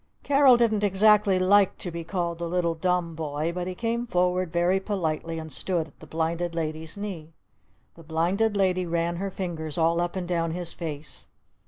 Carol didn't exactly like to be called the Little Dumb Boy, but he came forward very politely and stood at the Blinded Lady's knee. The Blinded Lady ran her fingers all up and down his face.